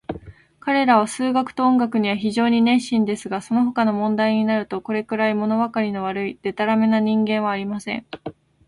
彼等は数学と音楽には非常に熱心ですが、そのほかの問題になると、これくらい、ものわかりの悪い、でたらめな人間はありません。